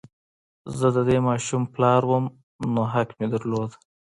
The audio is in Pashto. زه د دې ماشوم پلار وم نو حق مې درلود